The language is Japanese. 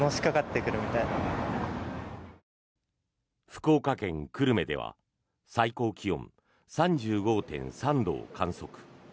福岡県久留米では最高気温３５．３度を観測。